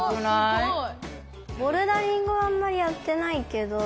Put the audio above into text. すごい。